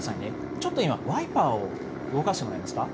ちょっと今、ワイパーを動かしてもらえますか。